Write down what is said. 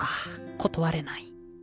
断れない。